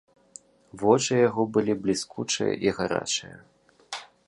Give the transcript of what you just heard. Вочы яго былі бліскучыя і гарачыя.